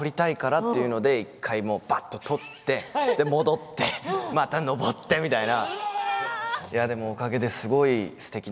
っていうので１回ばっと撮って、戻ってまた登ってみたいな。